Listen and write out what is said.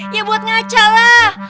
ya buat ngaca lah